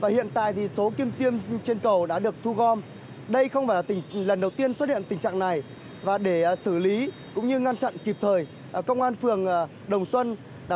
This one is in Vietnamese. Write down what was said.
hiện tại thì số kim tiêm trên cầu đã được thu gom đây không phải là lần đầu tiên xuất hiện tình trạng này